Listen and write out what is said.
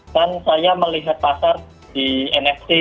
kan saya melihat pasar di nft